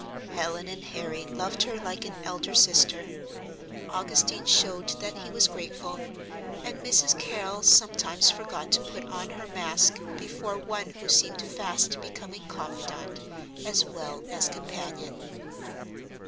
Helen and Harry loved her like an elder sister; Augustine showed that he was grateful, and Mrs. Carrol sometimes forgot to put on her mask before one who seemed fast becoming confidante as well as companion.